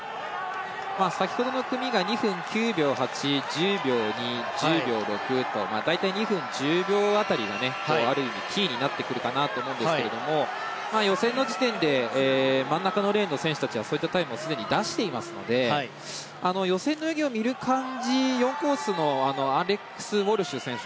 先ほどの組が２分９秒８１０秒２、１０秒６と大体２分１０秒辺りがキーになってくるかなと思うんですけど予選の時点で真ん中のレーンの選手たちはそういったタイムをすでに出していますので予選の泳ぎを見る限り４コースのアレックス・ウォルシュ選手